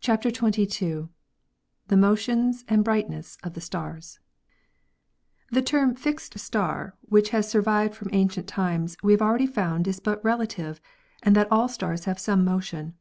CHAPTER XXII THE MOTIONS AND BRIGHTNESS OF THE STARS The term "fixed star," which has survived from ancient times, we have already found is but relative and that all stars have some motion.